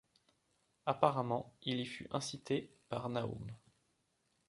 Apparemment, il y fut incité par Nahum.